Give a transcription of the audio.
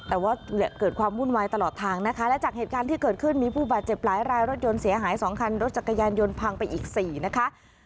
แต่ว่าเกิดความวุ่นวายตลอดทางนะคะและจากเหตุการณ์ที่เกิดขึ้นมีผู้บาดเจ็บหลายรายรถยนต์เสียหาย๒คันรถจักรยานยนต์พังไปอีก๔นะคะ